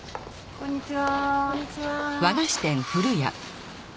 こんにちは。